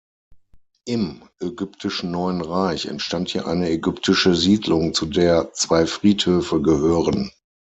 Im ägyptischen Neuen Reich entstand hier eine ägyptische Siedlung, zu der zwei Friedhöfe gehören.